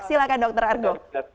silahkan dokter argo